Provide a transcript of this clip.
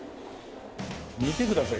見てください。